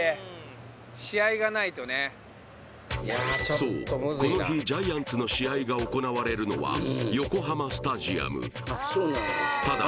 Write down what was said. そうこの日ジャイアンツの試合が行われるのは横浜スタジアムただ